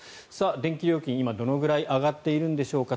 電気料金、今どれくらい上がっているんでしょうか。